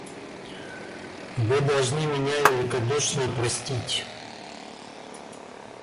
Вы должны меня великодушно простить...